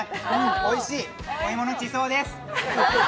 おいしい、お芋の地層です！